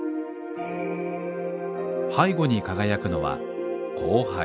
背後に輝くのは光背。